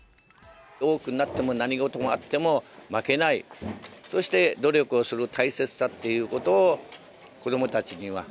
大きくなっても何事があっても負けない、そして努力をする大切さっていうことを、子どもたちには。